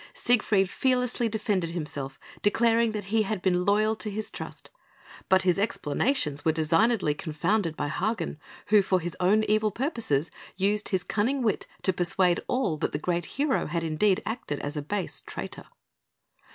Siegfried fearlessly defended himself, declaring that he had been loyal to his trust; but his explanations were designedly confounded by Hagen, who, for his own evil purposes, used his cunning wit to persuade all that the great hero had indeed acted as a base traitor.